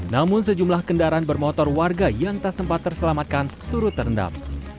namun sejumlah kendaraan bermotor warga yang tak sempat terselamatkan turut terendam